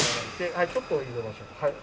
はいちょっと緩めましょうはい。